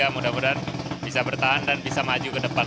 mudah mudahan bisa bertahan dan bisa maju ke depan